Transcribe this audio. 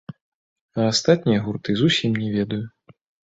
А астатнія гурты зусім не ведаю.